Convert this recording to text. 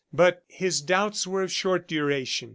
But his doubts were of short duration.